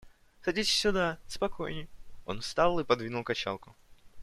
Садитесь сюда, спокойнее... — Он встал и подвинул качалку.